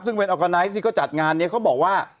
ซึ่งเป็นออร์กาไนท์ที่เขาจัดงานนี้เขาบอกว่า